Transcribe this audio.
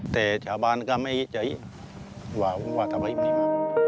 แต่ชาวบ้านก็ไม่ไหวว่าวัตถัพัยมีมาก